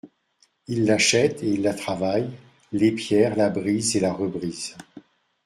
Il l'achète et il la travaille, l'épierre, la brise, et la rebrise.